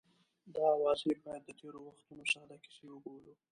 دا اوازې باید د تېرو وختونو ساده کیسه وبولو.